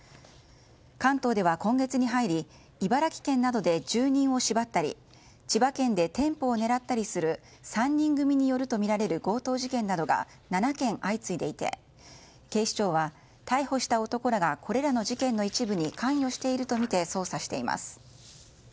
関東では今月に入り茨城県などで住人を縛ったり千葉県で店舗を狙ったりする３人組とみられる強盗事件などが７件相次いでいて警視庁は、逮捕した男らがこれらの事件の一部に関与しているとみて捜査しています。